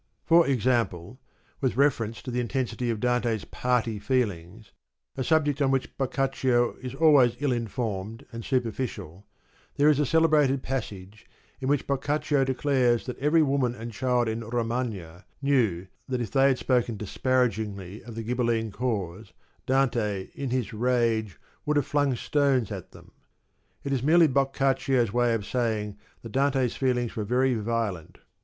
For example, with reference to the intensity of Dante's party feelings (a subject on which Boccaccio is always ill informed and superficial), there is a celebrated passage in which Boccaccio declares that every woman and child in Romagna knew that if they had spoken desparagingly of the Ghibelline cause, Dante in his rage would have flung stones at them. It is merely Boccaccio's way of saying that Dante's feelings were very violent.